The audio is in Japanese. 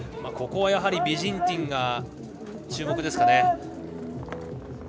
ここはやはりビジンティンが注目ですかね。